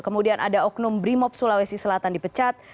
kemudian ada oknum brimob sulawesi selatan dipecat